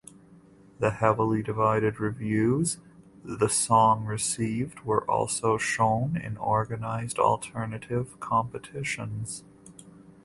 The heavily divided reviews the song received were also shown in organised alternative competitions.